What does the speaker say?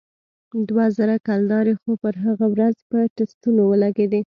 دوه زره کلدارې خو پر هغه ورځ په ټسټونو ولگېدې.